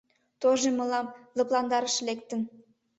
Тоже мылам лыпландарыше лектын!